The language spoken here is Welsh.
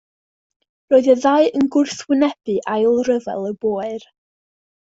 Roedd y ddau yn gwrthwynebu Ail Ryfel y Böer.